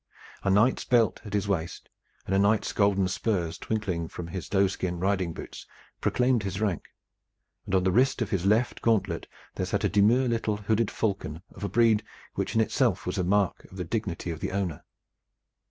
A knight's belt at his waist and a knight's golden spurs twinkling from his doeskin riding boots proclaimed his rank, and on the wrist of his left gauntlet there sat a demure little hooded falcon of a breed which in itself was a mark of the dignity of the owner.